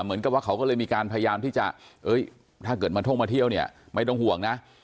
เหมือนกับว่าเขาก็เลยมีการพยายามที่จะถ้าเกิดมาท่องมาเที่ยวเนี่ยไม่ต้องห่วงนะ